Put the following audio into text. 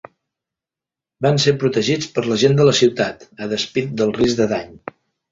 Van ser protegits per la gent de la ciutat, a despit del risc de dany.